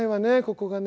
ここがね。